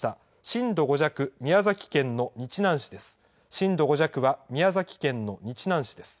震度５弱、宮崎県の日南市です。